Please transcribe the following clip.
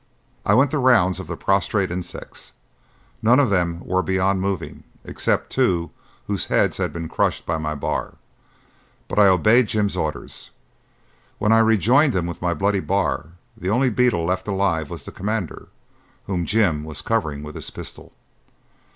I went the rounds of the prostrate insects. None of them were beyond moving except two whose heads had been crushed by my bar, but I obeyed Jim's orders. When I rejoined him with my bloody bar, the only beetle left alive was the commander, whom Jim was covering with his pistol.